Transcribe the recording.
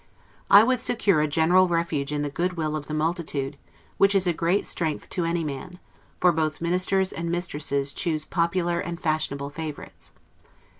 I would secure a general refuge in the good will of the multitude, which is a great strength to any man; for both ministers and mistresses choose popular and fashionable favorites.